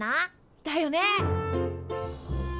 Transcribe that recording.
だよね！